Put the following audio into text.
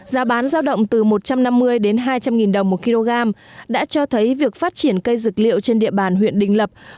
giá bán giao động từ một trăm năm mươi đến hai trăm linh nghìn đồng một kg đã cho thấy việc phát triển cây dược liệu trên địa bàn huyện đình lập